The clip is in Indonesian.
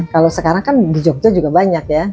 kalau sekarang kan di jogja juga banyak ya